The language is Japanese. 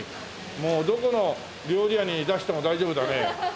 もうどこの料理屋に出しても大丈夫だね。